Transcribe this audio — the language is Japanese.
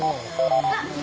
あっ！